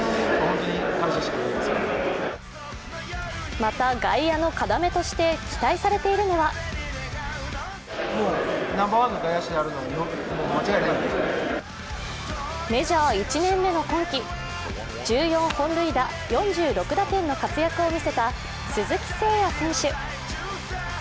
また外野の要として期待されているのはメジャー１年目の今季１４本塁打４６打点の活躍を見せた鈴木誠也選手。